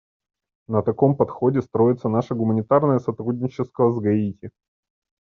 На таком подходе строится наше гуманитарное сотрудничество с Гаити.